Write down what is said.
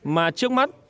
mà trước mắt